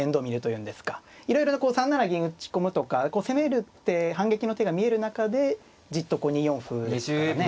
いろいろこう３七銀打ち込むとか攻める手反撃の手が見える中でじっと２四歩ですからね。